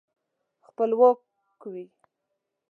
خپلواک وي.